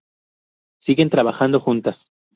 Siguen trabajando juntas.